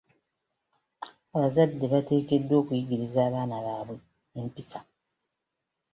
Abazadde bateekeddwa okuyigiriza abaana baabwe empisa.